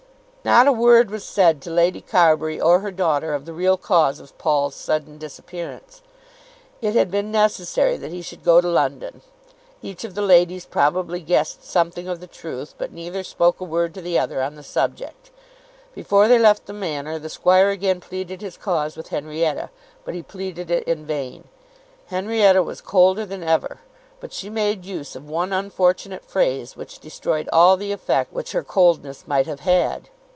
Not a word was said to Lady Carbury or her daughter of the real cause of Paul's sudden disappearance. It had been necessary that he should go to London. Each of the ladies probably guessed something of the truth, but neither spoke a word to the other on the subject. Before they left the Manor the squire again pleaded his cause with Henrietta, but he pleaded it in vain. Henrietta was colder than ever, but she made use of one unfortunate phrase which destroyed all the effect which her coldness might have had.